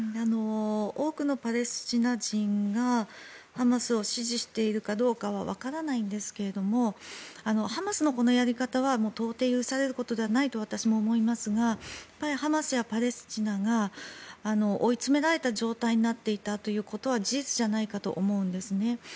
多くのパレスチナ人がハマスを支持しているかどうかはわからないんですがハマスのこのやり方は到底許されることではないと私も思いますがハマスやパレスチナが追い詰められた状態になっていたということは事実じゃないかと思うんですね。